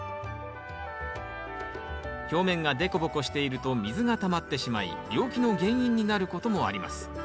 表面がデコボコしていると水がたまってしまい病気の原因になることもあります。